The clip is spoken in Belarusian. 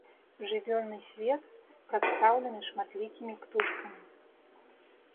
Жывёльны свет прадстаўлены шматлікімі птушкамі.